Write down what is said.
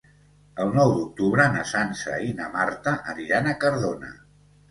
El nou d'octubre na Sança i na Marta aniran a Cardona.